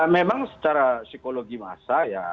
memang secara psikologi masa ya